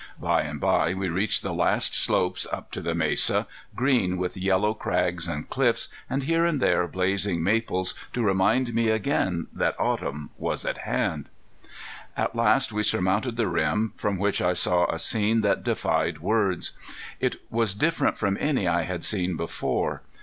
By and bye we reached the last slopes up to the mesa, green, with yellow crags and cliffs, and here and there blazing maples to remind me again that autumn was at hand. At last we surmounted the rim, from which I saw a scene that defied words. It was different from any I had seen before.